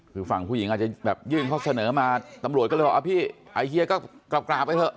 คือฝั่งผู้หญิงอาจจะยื่นเข้าเซอเงอมาตำรวจก็เลยบอกอ้าวพี่อายเฮียก็กราบกราบไปเถอะ